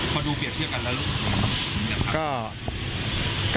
พอดูเปรียบเทียบกันแล้วลูกคุณอย่างไรครับ